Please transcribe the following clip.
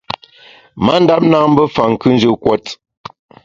Ma ndap nâ mbe fa, nkùnjù kuot.